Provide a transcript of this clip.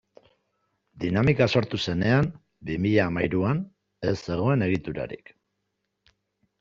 Dinamika sortu zenean, bi mila hamahiruan, ez zegoen egiturarik.